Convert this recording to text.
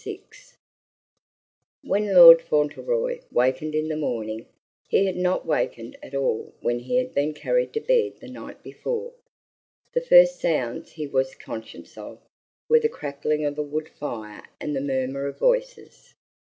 VI When Lord Fauntleroy wakened in the morning, he had not wakened at all when he had been carried to bed the night before, the first sounds he was conscious of were the crackling of a wood fire and the murmur of voices.